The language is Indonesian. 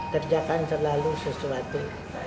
kerjakan selalu sesuatu